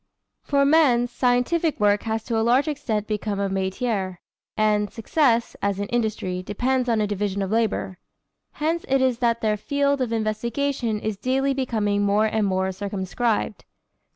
For men scientific work has to a large extent become a métier, and success, as in industry, depends on a division of labor. Hence it is that their field of investigation is daily becoming more and more circumscribed.